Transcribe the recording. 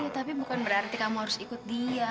tapi bukan berarti kamu harus ikut dia